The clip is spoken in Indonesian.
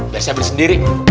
biasa berdiri sendiri